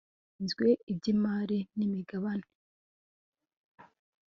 gishinzwe iby Imari n Imigabane